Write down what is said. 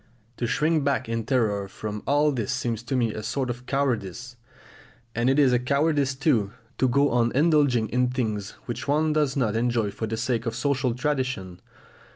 To shrink back in terror from all this seems to me a sort of cowardice; and it is a cowardice too to go on indulging in things which one does not enjoy for the sake of social tradition.